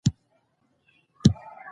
دا اصول ساده او عملي دي.